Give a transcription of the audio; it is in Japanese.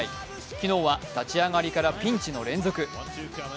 昨日は立ち上がりからピンチの連続。